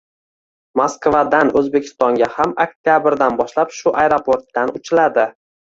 Moskvadan Oʻzbekistonga ham oktyabrdan boshlab shu aeroportdan uchiladi.